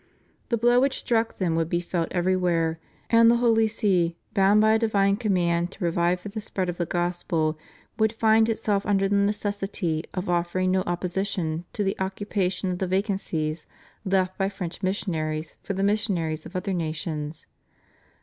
The blow which struck them would be felt everywhere, and the Holy See, bound by a divine command to provide for the spread of the Gospel, would find itself under the necessity of offering no opposition to the occupation of the vacancies left by French missionaries by the mission aries of other nations.